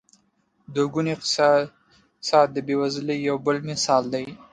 دوه ګونی اقتصاد د بېوزلۍ یو بل مثال دی.